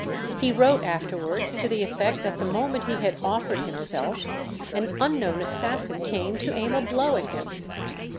He wrote afterwards to the effect that the moment he had offered himself, an unknown assassin came to aim a blow at him.